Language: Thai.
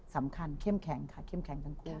สำคัญเข้มแข็งค่ะ